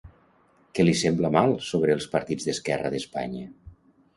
Què li sembla mal sobre els partits d'esquerra d'Espanya?